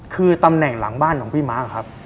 คือตำแหน่งหลังบ้านของพี่ม้าครับ